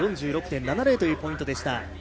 ４６．７０というポイントでした。